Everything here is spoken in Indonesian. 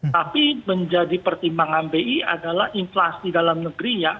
tapi menjadi pertimbangan bi adalah inflasi dalam negeri ya